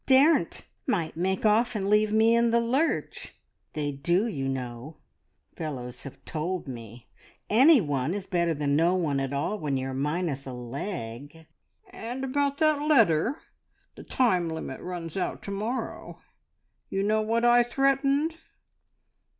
"Daren't! Might make off and leave me in the lurch. They do, you know. Fellows have told me. Any one is better than no one at all when you are minus a leg." "And about that letter? The time limit runs out to morrow. You know what I threatened?"